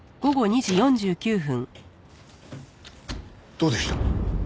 どうでした？